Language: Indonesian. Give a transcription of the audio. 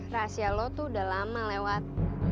rahasia lo tuh udah lama lewat